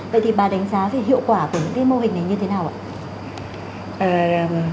vậy thì bà đánh giá về hiệu quả của những mô hình này như thế nào ạ